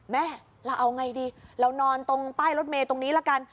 แม่เราเอาไงดีเรานอนตรงป้ายรถเมย์ตรงนี้ละกัน